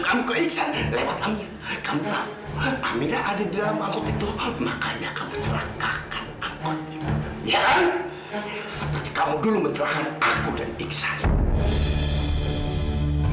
seperti kamu dulu menjelakkan aku dan iksan